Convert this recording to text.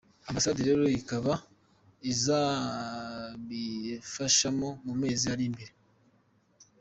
Ambasade rero ikaba izabibafashamo mu mezi ari imbere.